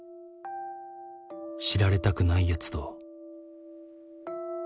知られたくないやつと。